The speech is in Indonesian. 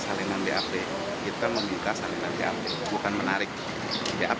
salinan bap kita membuka salinan bap bukan menarik bap